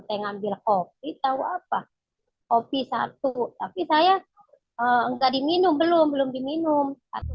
tengah ambil kopi tahu apa opi satu tapi saya enggak diminum belum belum diminum